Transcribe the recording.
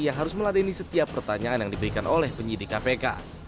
yang harus meladeni setiap pertanyaan yang diberikan oleh penyidik kpk